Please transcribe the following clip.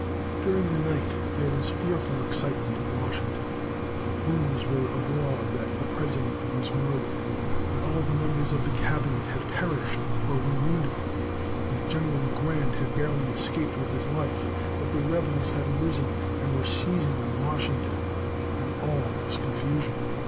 During the night, there was fearful excitement in Washington. Rumours were abroad that the President was murdered that all the members of the Cabinet had perished, or were wounded that General Grant had barely escaped with his life that the rebels had risen, and were seizing on Washington and that all was confusion.